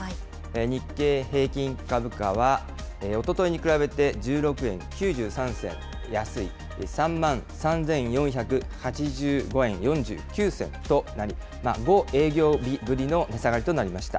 日経平均株価はおとといに比べて、１６円９３銭安い、３万３４８５円４９銭となり、５営業日ぶりの値下がりとなりました。